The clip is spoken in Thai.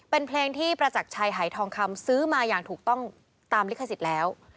เป็นเพลงที่ประจักรชัยหายทองคำซื้อมาอย่างถูกต้องตามลิขสิทธิ์แล้ว